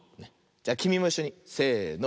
きみもいっしょにせの。